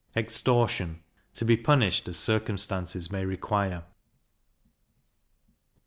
Extortion to be punished as circumstances may require.